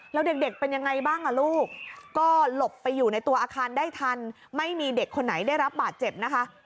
แล้วเด็กเป็นยังไงบ้างอ่ะลูกก็หลบไปอยู่ในตัวอาคารได้ทันไม่มีเด็กคนไหนได้รับบาดเจ็บนะคะ